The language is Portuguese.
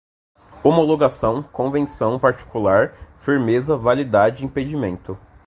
homologação, convenção particular, firmeza, validade, impedimento